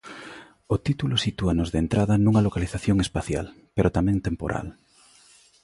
O título sitúanos de entrada nunha localización espacial, pero tamén temporal.